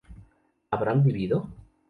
¿habrán vivido?